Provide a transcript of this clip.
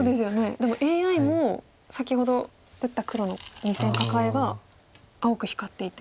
でもＡＩも先ほど打った黒の２線カカエが青く光っていて。